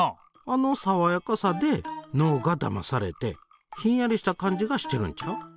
あのさわやかさで脳がだまされてひんやりした感じがしてるんちゃう？